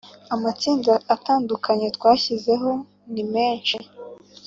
amatsinda atandukanye twashyizeho ni menshi